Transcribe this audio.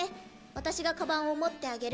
私がカバンを持ってあげる。